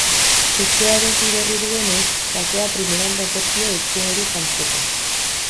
Etxea erosi berri duenez, zakua primeran datorkio etxe hori janzteko.